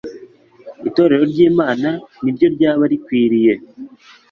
Itorero ry'Imana” ari ryo ryaba rikwiriye,